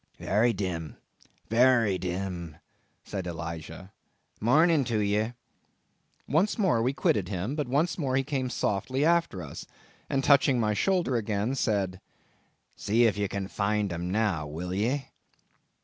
"Very dim, very dim," said Elijah. "Morning to ye." Once more we quitted him; but once more he came softly after us; and touching my shoulder again, said, "See if you can find 'em now, will ye?